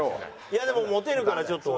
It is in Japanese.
いやでもモテるからちょっと。